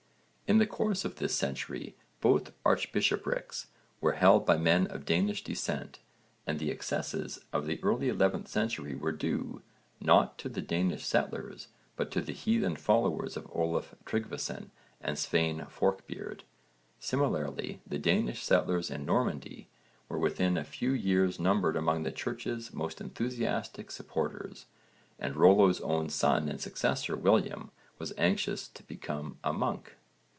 In the course of this century both archbishoprics were held by men of Danish descent and the excesses of the early 11th century were due, not to the Danish settlers, but to the heathen followers of Olaf Tryggvason and Svein Forkbeard. Similarly the Danish settlers in Normandy were within a few years numbered among the Church's most enthusiastic supporters, and Rollo's own son and successor William was anxious to become a monk.